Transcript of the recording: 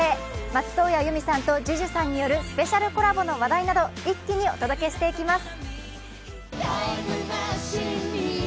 松任谷由実さんとＪＵＪＵさんによるスペシャルコラボの話題など一気にお届けしていきます。